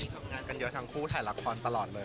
ตั้งงานเยอะทางคู่ถ่ายละครตลอดเลย